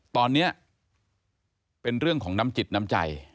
ตอนนี้เป็นเรื่องของน้ำจิตน้ำใจ